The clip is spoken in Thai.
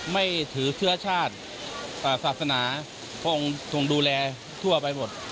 ไม่ถือเชื้อชาติศาสนาพระองค์ทรงดูแลทั่วไปหมด